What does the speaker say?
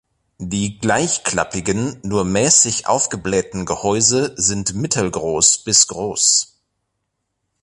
Die gleichklappigen, nur mäßig aufgeblähten Gehäuse sind mittelgroß bis groß.